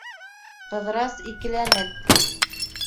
Ҡыҙырас, икеләнеп: